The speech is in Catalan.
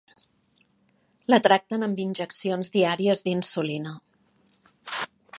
La tracten amb injeccions diàries d'insulina.